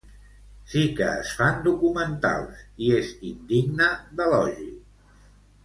Sí que es fan documentals, i és indigne d'elogi.